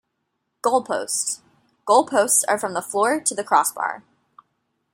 Goal Posts - Goal posts are from the floor to the crossbar.